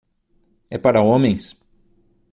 É para homens?